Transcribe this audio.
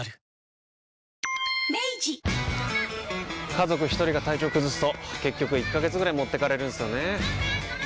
・家族一人が体調崩すと結局１ヶ月ぐらい持ってかれるんすよねー。